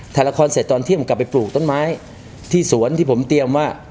ถ่ายละครเสร็จตอนเที่ยงกลับไปปลูกต้นไม้ที่สวนที่ผมเตรียมว่า